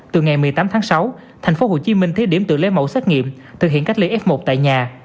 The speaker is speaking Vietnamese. từ ngày một mươi tám tháng sáu thành phố hồ chí minh thiết điểm tự lấy mẫu xét nghiệm thực hiện cách ly f một tại nhà